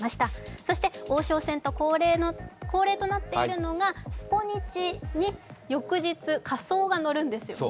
そして王将戦で恒例となっているのが「スポニチ」に翌日、仮装が載るんですよね。